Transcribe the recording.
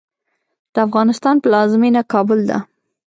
د افغانستان پلازمېنه کابل ده